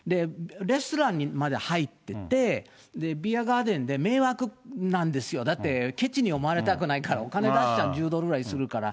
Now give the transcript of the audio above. レストランまで入っていって、ビアガーデンで迷惑なんですよ、だって、けちに思われたくないからお金出しちゃう、１０ドルぐらいするから。